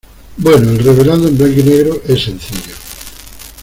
bueno, el revelado en blanco y negro es sencillo.